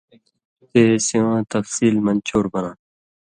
تے سِواں تفصیل مَن چور بناں تھہ۔